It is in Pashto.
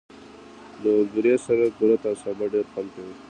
له اوگرې سره کورت او سابه ډېر خوند کوي.